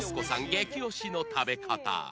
激推しの食べ方